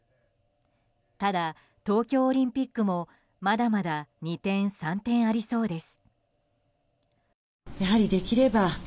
ただ東京オリンピックもまだまだ二転三転ありそうです。